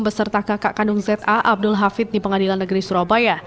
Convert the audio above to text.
beserta kakak kandung za abdul hafid di pengadilan negeri surabaya